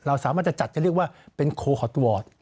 สามารถจะจัดจะเรียกว่าเป็นโคฮอตวอร์ด